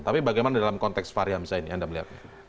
tapi bagaimana dalam konteks fahri hamzahri ini anda melihat